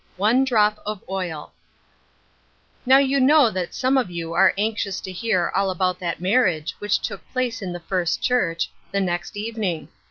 ONE DROP OP OIL OW you know that some of you are anx ious to hear all about that marriage which took place in the First Church, the next evening.